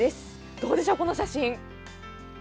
どうでしょう、この写真。